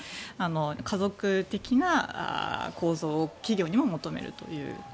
家族的な構造を企業にも求めるという。